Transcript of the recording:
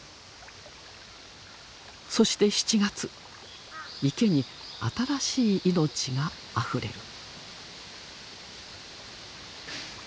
そして７月池に新しい命があふれる。